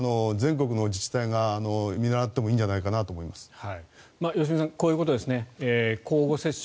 全国の自治体が見習ってもいいんじゃないかと思います。